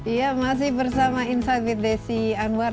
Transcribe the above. iya masih bersama insight with desi anwar